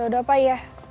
yaudah pak ya